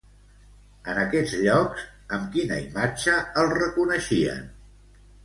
En aquests llocs, amb quina imatge el reconeixien?